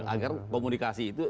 agar komunikasi itu